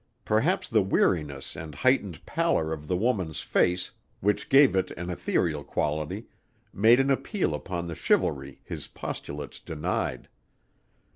Perhaps the weariness and heightened pallor of the woman's face, which gave it an ethereal quality, made an appeal upon the chivalry his postulates denied.